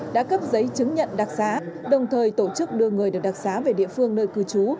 đã cấp giấy chứng nhận đặc xá đồng thời tổ chức đưa người được đặc xá về địa phương nơi cư trú